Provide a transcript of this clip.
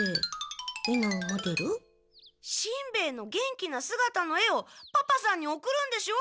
しんベヱの元気なすがたの絵をパパさんに送るんでしょ？